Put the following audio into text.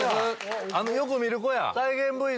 よく見る子や。